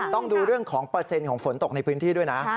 ต้องดูเรื่องของเปอร์เซ็นต์ของฝนตกในพื้นที่ด้วยนะ